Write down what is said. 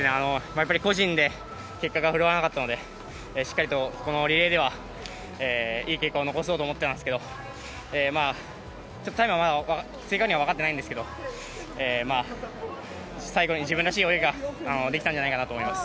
やっぱり個人で結果が振るわなかったのでしっかりとリレーではいい結果を残そうと思っていますけどタイムはまだ正確には分かってないんですけど最後に自分らしい泳ぎができたんじゃないかなと思います。